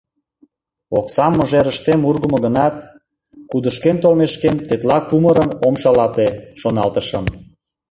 Оксам мыжерыштем ургымо гынат, кудышкем толмешкем тетла кумырым ом шалате, шоналтышым.